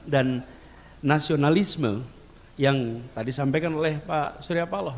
nasionalisme yang tadi sampaikan oleh pak surya paloh